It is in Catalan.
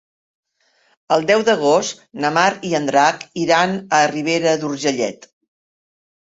El deu d'agost na Mar i en Drac iran a Ribera d'Urgellet.